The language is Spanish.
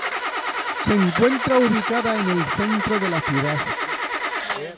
Se encuentra ubicada en el centro de la ciudad.